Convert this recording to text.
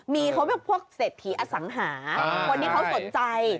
มีเขาเป็นพวกเศรษฐีอสังหาคนที่เขาสนใจ